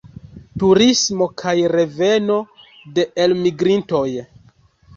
Turismo kaj reveno de elmigrintoj.